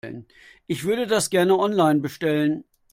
Ich würde das gerne online bestellen.